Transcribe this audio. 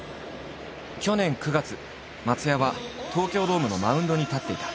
去年９月松也は東京ドームのマウンドに立っていた。